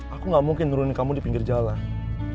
aku gak mungkin turunin kamu di pinggir jalan ini ya